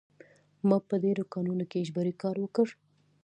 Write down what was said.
ما په ډېرو کانونو کې اجباري کار وکړ